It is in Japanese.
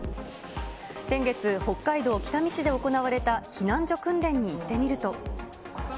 先月、北海道北見市で行われた避難所訓練に行ってみると。